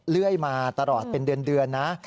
เรื่อยมาตลอดเป็นเดือนนะ